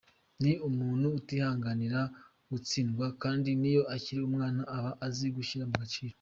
Ni umuntu utihanganira gutsindwa kandi niyo akiri umwana aba azi gushyira mu gaciro.